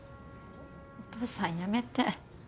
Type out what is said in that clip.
お父さんやめて。